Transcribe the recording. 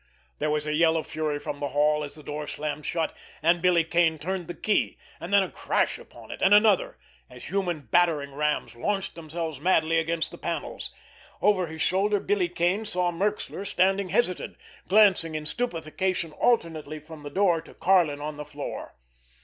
There was a yell of fury from the hall, as the door slammed shut, and Billy Kane turned the key—and then a crash upon it, and another, as human battering rams launched themselves madly against the panels. Over his shoulder Billy Kane saw Merxler standing hesitant, glancing in stupefaction alternately from the door to Karlin on the floor.